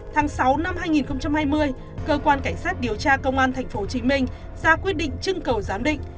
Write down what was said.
tháng sáu năm hai nghìn hai mươi cơ quan cảnh sát điều tra công an tp hcm ra quyết định trưng cầu giám định